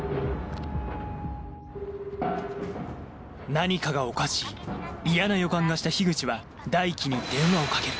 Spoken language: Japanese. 「何かがおかしい」嫌な予感がした口は大樹に電話をかける